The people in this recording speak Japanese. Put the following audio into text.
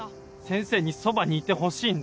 先生にそばにいてほしいんだ。